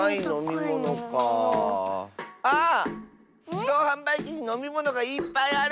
じどうはんばいきにのみものがいっぱいある！